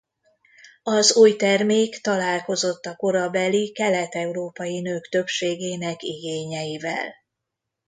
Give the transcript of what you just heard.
Az új termék találkozott a korabeli kelet-európai nők többségének igényeivel.